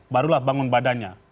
barulah bangun badannya